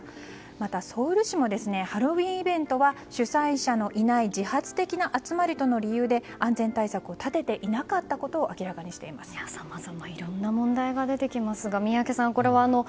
またソウル市もハロウィーンイベントは主催者のいない自発的な集まりとの理由で安全対策を立てていなかったことをさまざまな問題が出てきますが宮家さん